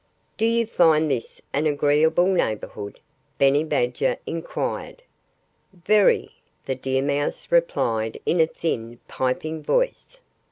"Do you find this an agreeable neighborhood?" Benny Badger inquired. "Very!" the deer mouse replied in a thin, piping voice.